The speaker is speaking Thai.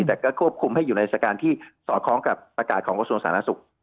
แต่ก็ควบคุมให้อยู่ในสถานการณ์ที่สอดคล้องกับประกาศของกระทรวงสาธารณสุข